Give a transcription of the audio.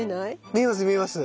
見えます見えます。